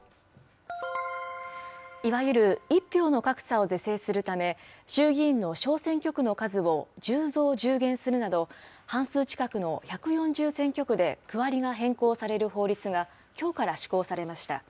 いわゆる１票の格差を是正するため、衆議院の小選挙区の数を１０増１０減するなど、半数近くの１４０選挙区で区割りが変更される法律が、きょうから施行されました。